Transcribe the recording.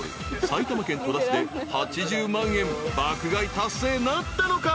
埼玉県戸田市で８０万円爆買い達成なったのか？］